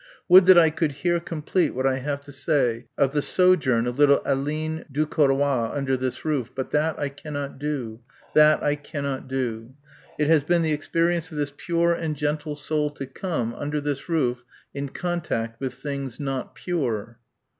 "Would that I could here complete what I have to say of the sojourn of little Aline Ducorroy under this roof.... But that I cannot do. "That I cannot do. "It has been the experience of this pure and gentle soul to come, under this roof, in contact with things not pure."